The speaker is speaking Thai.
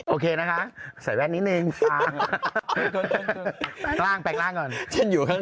โอเคนะคะใส่แว่นนิดนึง